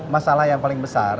masalah yang paling besar